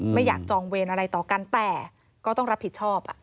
ไม่อยากจองเวรอะไรต่อกันแต่ก็ต้องรับผิดชอบ